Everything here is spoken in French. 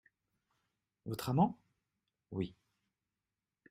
Votre amant ? Oui.